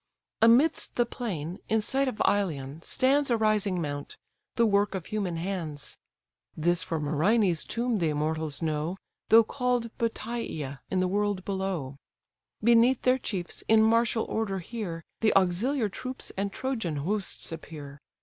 Amidst the plain, in sight of Ilion, stands A rising mount, the work of human hands; (This for Myrinne's tomb the immortals know, Though call'd Bateïa in the world below;) Beneath their chiefs in martial order here, The auxiliar troops and Trojan hosts appear.